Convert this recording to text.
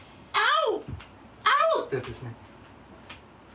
ってやつですね。